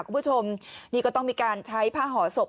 คุณผู้ชมนี่ก็ต้องมีการใช้ผ้าห่อศพ